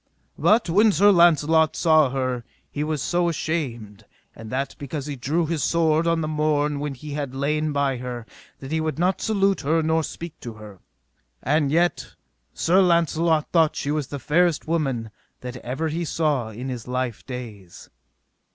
But when Sir Launcelot saw her he was so ashamed, and that because he drew his sword on the morn when he had lain by her, that he would not salute her nor speak to her; and yet Sir Launcelot thought she was the fairest woman that ever he saw in his life days.